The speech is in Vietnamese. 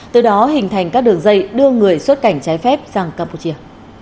từ đó hình thành các đường dây đưa người xuất cảnh trái phép sang campuchia